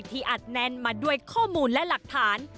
อัดแน่นมาด้วยข้อมูลและหลักฐาน